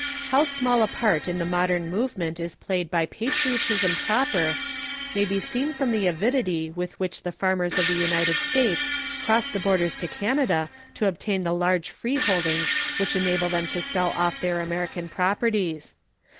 How small a part in the modern movement is played by patriotism proper may be seen from the avidity with which the farmers of the United States cross the borders to Canada to obtain the large free holdings which enable them to sell off their American properties.